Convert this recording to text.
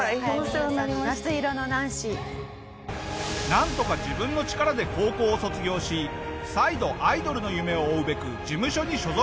なんとか自分の力で高校を卒業し再度アイドルの夢を追うべく事務所に所属。